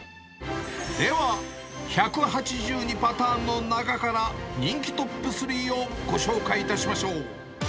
では１８２パターンの中から、人気トップ３をご紹介いたしましょう。